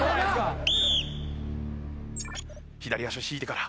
左足を引いてから。